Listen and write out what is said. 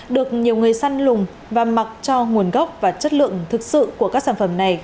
được nhiều người săn lùng và mặc cho nguồn gốc và chất lượng thực sự của các sản phẩm này